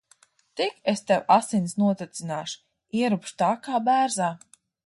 Tik es tev asinis notecināšu. Ieurbšu tā kā bērzā.